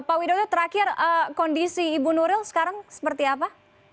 pak widodo terakhir kondisi ibu nuril sekarang seperti apa